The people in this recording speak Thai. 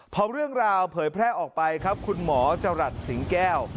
พอเรื่องราวเผยแพร่ออกไปครับคุณหมอจรัสสิงแก้ว